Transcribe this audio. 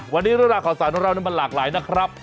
วันนี้ร้านข่าวสาวน้องเรานั้นมันหลากหลายนะครับ